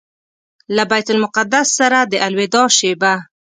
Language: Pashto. له بیت المقدس سره د الوداع شېبه.